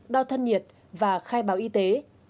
đo thân nhiệt và khai báo y tế